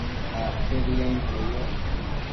Acte bëenquio yoc